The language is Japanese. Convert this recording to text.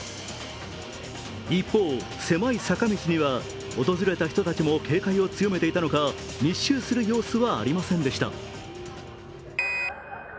一方、狭い坂道には訪れた人たちも警戒を強めていたのか密集する様子はありませんでした。